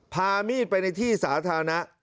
พามีดไปในที่สาธารณะ